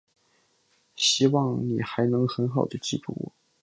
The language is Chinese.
希望你还能很好地记住我。